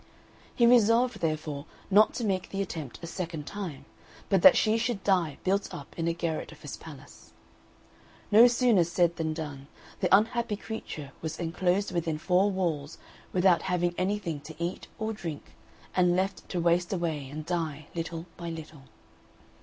He resolved, therefore, not to make the attempt a second time, but that she should die built up in a garret of his palace. No sooner said than done: the unhappy creature was enclosed within four walls, without having anything to eat or drink, and left to waste away and die little by little.